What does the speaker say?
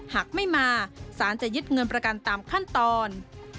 หากไม่มาสารจะยึดเงินประกันตามขั้นตอน